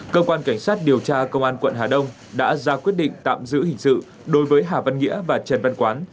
cơ quan cảnh sát điều tra công an quận hà đông đã ra quyết định tạm giữ hình sự đối với hà văn nghĩa và trần văn quán